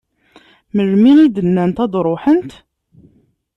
Melmi i d-nnant ad d-ruḥent?